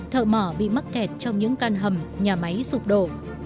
thợ mỏ bị mắc kẹt trong những căn hầm nhà máy sụp đổ